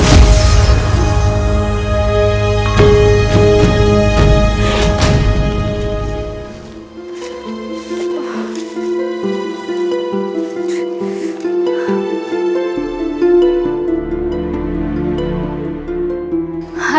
ada buah pisang